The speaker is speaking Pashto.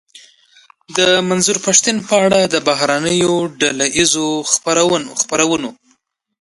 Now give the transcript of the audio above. د منظور پښتين په اړه د بهرنيو ډله ايزو خپرونو.